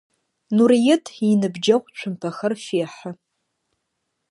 Нурыет иныбджэгъу цумпэхэр фехьы.